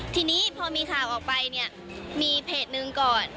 ทีนี้พอมีข่าวออกไปเนี่ยมีเพจหนึ่งก่อน